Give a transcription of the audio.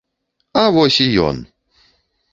А вось і ён!